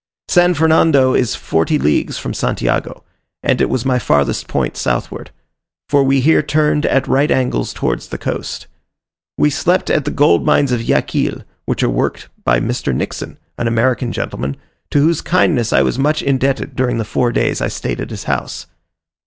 San Fernando is forty leagues from Santiago; and it was my farthest point southward; for we here turned at right angles towards the coast. We slept at the gold mines of Yaquil, which are worked by Mr. Nixon, an American gentleman, to whose kindness I was much indebted during the four days I stayed at his house.